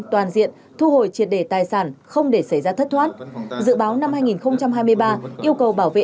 toàn diện thu hồi triệt đề tài sản không để xảy ra thất thoát dự báo năm hai nghìn hai mươi ba yêu cầu bảo vệ